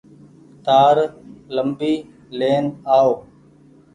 تآر ليمبي لين آئو۔